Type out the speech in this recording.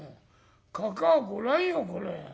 かかあご覧よこれ。